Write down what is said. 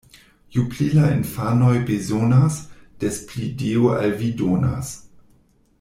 Ju pli la infanoj bezonas, des pli Dio al vi donas.